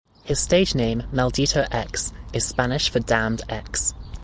His stage name, "Maldito X", is Spanish for "Damned X".